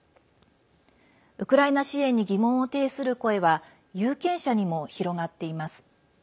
ウクライナ支援に疑問を呈する声は有権者にも広がっています。